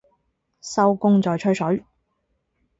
收工再吹水